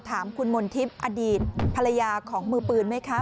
ถามคุณมนทิพย์อดีตภรรยาของมือปืนไหมคะ